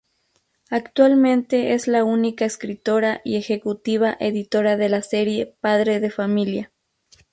Actualmente es la única escritora y ejecutiva editora de la serie Padre de familia.